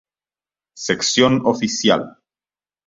Sección oficial.